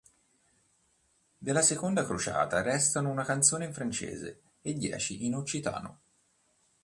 Della seconda crociata restano una canzone in francese e dieci in occitano.